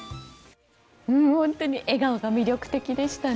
本当に笑顔が魅力的でしたね。